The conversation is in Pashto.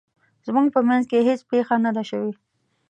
زموږ په مینځ کې هیڅ پیښه نه ده شوې